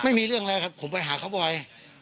ไม่มีเรื่องแล้วครับผมไปหาเขาบ่อย